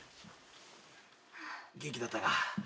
元気だったか？